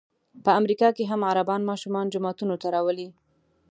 په امریکا کې هم عربان ماشومان جوماتونو ته راولي.